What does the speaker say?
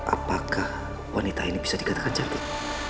apakah wanita ini bisa dikatakan jakit